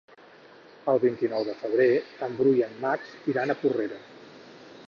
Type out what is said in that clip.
El vint-i-nou de febrer en Bru i en Max iran a Porrera.